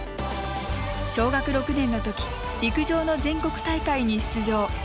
小学６年のとき陸上の全国大会に出場。